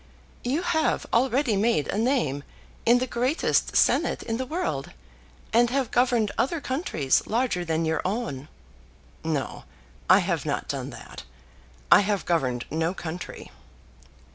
"You have already made a name in the greatest senate in the world, and have governed other countries larger than your own " "No; I have not done that. I have governed no country.